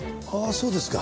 そうですか。